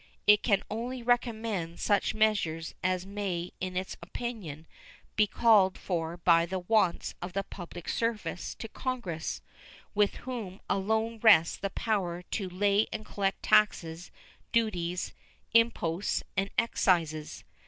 It can only recommend such measures as may in its opinion be called for by the wants of the public service to Congress, with whom alone rests the power to "lay and collect taxes, duties, imposts, and excises."